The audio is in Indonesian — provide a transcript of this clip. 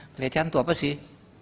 kelecehan itu apa sih